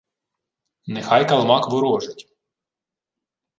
— Нехай калмак ворожить.